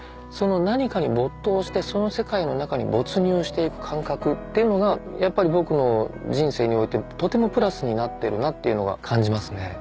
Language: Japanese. その何かに没頭してその世界の中に没入していく感覚っていうのがやっぱり僕の人生においてとてもプラスになってるなっていうのが感じますね。